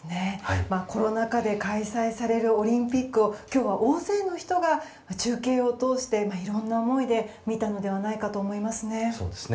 コロナ禍で開催されるオリンピックを今日は大勢の人が中継を通していろんな思いで見たのではないかと思いますね。